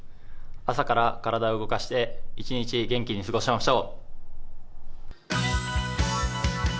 朝から体を動かして一日元気に過ごしましょう。